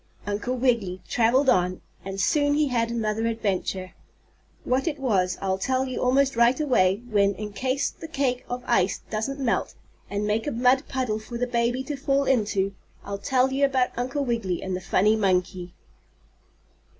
Uncle Wiggily traveled on, and soon he had another adventure. What it was I'll tell you almost right away, when, in case the cake of ice doesn't melt, and make a mud puddle for the baby to fall into, I'll tell you about Uncle Wiggily and the funny monkey.